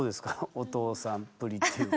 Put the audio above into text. お父さんっぷりっていうか。